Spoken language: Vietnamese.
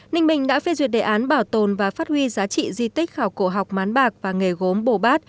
ninh bình đã phê duyệt đề án bảo tồn và phát huy giá trị di tích khảo cổ học mán bạc và nghề gốm bồ bát